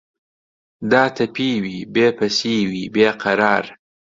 داتەپیوی، بێ پەسیوی بێ قەرار